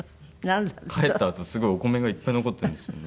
帰ったあとすごいお米がいっぱい残ってるんですよね。